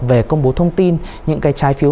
về công bố thông tin những cái trái phiếu